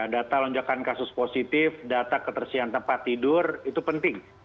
data lonjakan kasus positif data ketersian tempat tidur itu penting